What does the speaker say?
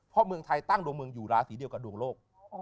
เพราะเมืองไทยตั้งดวงเมืองอยู่ราศีเดียวกับดวงโลก